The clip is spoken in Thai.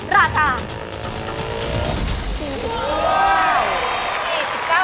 ราคา